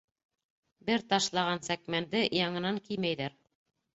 Бер ташлаған сәкмәнде яңынан кеймәйҙәр.